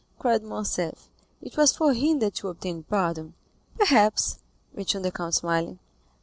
cried Morcerf; "it was for him that you obtained pardon?" "Perhaps," returned the count, smiling.